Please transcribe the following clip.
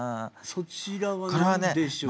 そちらは何でしょう？